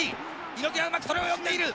猪木はうまくそれを読んでいる！